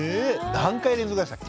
何回連続でしたっけ？